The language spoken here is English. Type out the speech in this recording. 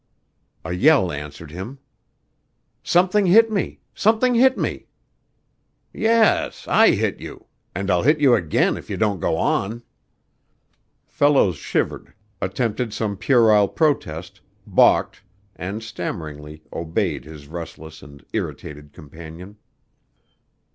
A yell answered him. "Something hit me! Something hit me!" "Yes, I hit you; and I'll hit you again if you don't go on." Fellows shivered, attempted some puerile protest, balked, and stammeringly obeyed his restless and irritated companion.